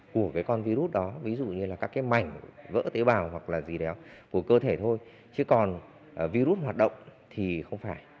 của cái con virus đó ví dụ như là các cái mảnh vỡ tế bào hoặc là gì đéo của cơ thể thôi chứ còn virus hoạt động thì không phải